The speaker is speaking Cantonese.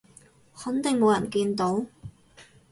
肯定冇人見到？